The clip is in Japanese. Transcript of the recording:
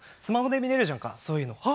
スマホで見れるじゃんかそういうの。